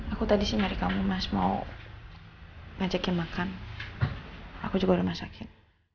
aku tadi sih nyari kamu mas mau ngajaknya makan aku juga udah masakin